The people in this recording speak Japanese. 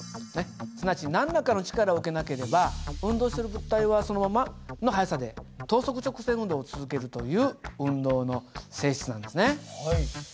すなわち何らかの力を受けなければ運動している物体はそのままの速さで等速直線運動を続けるという運動の性質なんですね。